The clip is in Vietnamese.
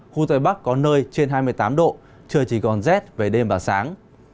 khu tây bắc có nơi trên hai mươi tám độ trời chỉ còn rét về đêm và sáng